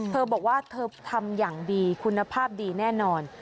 เธอบอกว่าเธอทำอย่างดีคุณภาพดีแน่นอน